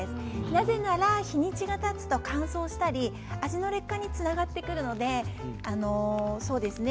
なぜなら、日にちがたつと乾燥したり味の劣化につながってくるのでそうですね